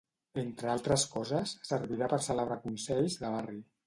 Entre altres coses, servirà per celebrar consells de barri.